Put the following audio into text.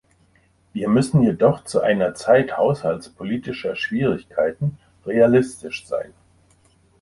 Wir müssen jedoch zu einer Zeit haushaltspolitischer Schwierigkeiten realistisch sein.